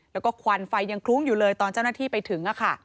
แล้วก็ควันไฟยังคลุ้งอยู่เลยตอนเจ้าหน้าที่ไปถึงค่ะ